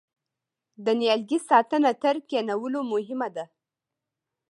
د نیالګي ساتنه تر کینولو مهمه ده؟